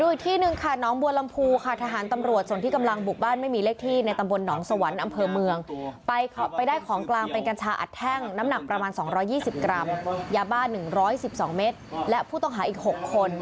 ยาบ้า๑๑๒เมตรและผู้ต้องหาอีก๖คน